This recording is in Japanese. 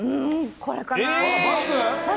これかな。